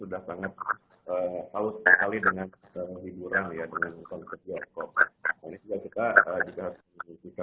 sudah sangat haus sekali dengan hiburan ya dengan konser bioskop ini juga juga jika